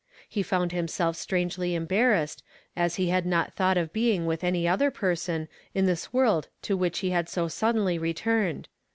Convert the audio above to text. He found himself strangely embar rassed, as he had not thought of being with any other person, in this woi ld to which he had so sud denly returned.